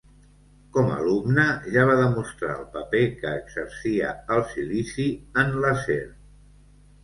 Com alumne ja va demostrar el paper que exercia el silici en l'acer.